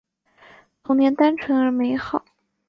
童年单纯而美好